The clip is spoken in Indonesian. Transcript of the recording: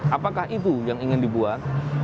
apakah itu yang ingin dibuat